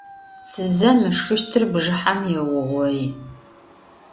Tsızem ışşxıştır bjjıhem yêuğoi.